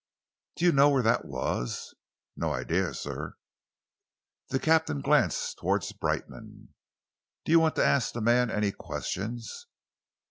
"Do you know where that was?" "No idea, sir." The captain glanced towards Brightman. "Do you want to ask the man any questions?"